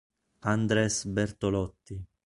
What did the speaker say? Andrés Bertolotti